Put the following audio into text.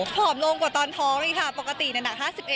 ผอมลงกว่าตอนท้องนี่ค่ะปกติในหนัก๕๑